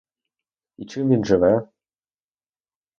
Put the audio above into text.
І чим він живе?